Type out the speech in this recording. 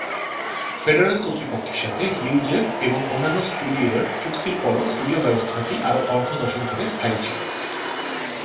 Federal কর্তৃপক্ষের সাথে Hughes এর এবং অন্যান্য স্টুডিওর চুক্তির পরও স্টুডিও ব্যবস্থাটি আরও অর্ধ দশক ধরে স্থায়ী ছিল।